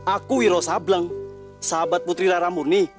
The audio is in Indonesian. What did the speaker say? aku wiro sableng sahabat putri rara murni